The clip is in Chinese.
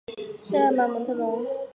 圣阿芒蒙特龙。